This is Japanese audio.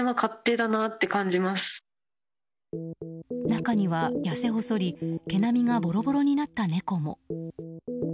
中には、やせ細り毛並みがボロボロになった猫も。